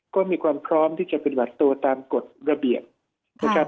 ก็มีความพร้อมที่จะเป็นบัตรโตตามกฎระเบียบ